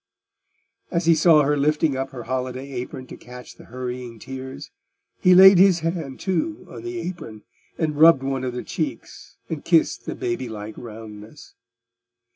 As he saw her lifting up her holiday apron to catch the hurrying tears, he laid his hand, too, on the apron, and rubbed one of the cheeks and kissed the baby like roundness.